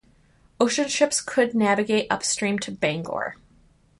Ocean ships could navigate upstream to Bangor.